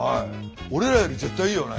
俺らより絶対いいよね。